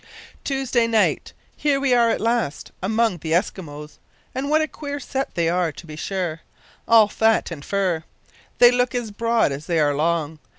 "Tuesday night. Here we are at last among the Eskimos! and what a queer set they are, to be sure. All fat and fur! They look as broad as they are long.